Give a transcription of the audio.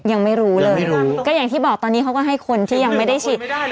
ยังไม่รู้เลยก็อย่างที่บอกตอนนี้เขาก็ให้คนที่ยังไม่ได้ฉีด